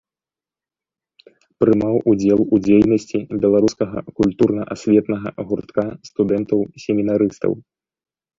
Прымаў удзел у дзейнасці беларускага культурна-асветнага гуртка студэнтаў-семінарыстаў.